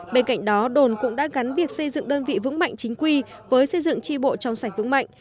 bên cạnh đó đồn cũng đã gắn việc xây dựng đơn vị vững mạnh chính quy với xây dựng tri bộ trong sạch vững mạnh